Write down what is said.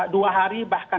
dua hari bahkan